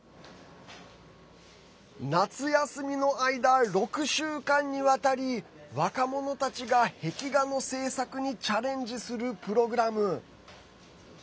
夏休みの間、６週間にわたり若者たちが、壁画の制作にチャレンジするプログラム。